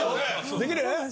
できる？